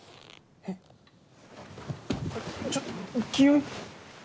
えっちょっ清居。